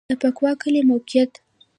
د بکوا کلی موقعیت